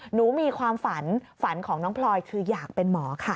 มีความฝันฝันของน้องพลอยคืออยากเป็นหมอค่ะ